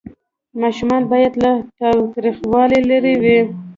ماشومان باید له تاوتریخوالي لرې وي.